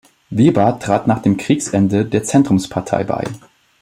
Weber trat nach dem Kriegsende der Zentrumspartei bei.